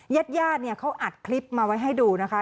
เย็ดเขาอัดคลิปมาไว้ให้ดูนะคะ